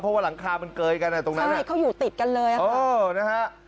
เพราะว่าหลังคามันเกยกันอ่ะตรงนั้นใช่เขาอยู่ติดกันเลยค่ะเออนะฮะ